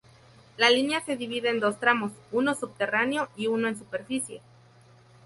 La línea se divide en dos tramos: uno subterráneo y uno en superficie.